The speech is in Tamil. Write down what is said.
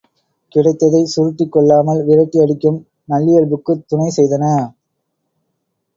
கிடைத்ததைச் சுருட்டிக் கொள்ளாமல் விரட்டி அடிக்கும் நல்லியல்புக்குத் துணை செய்தன.